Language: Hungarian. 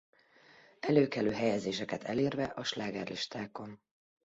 Előkelő helyezéseket elérve a slágerlistákon.